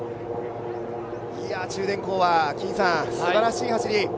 中電工はすばらしい走り。